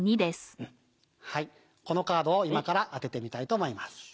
はいこのカードを今から当ててみたいと思います。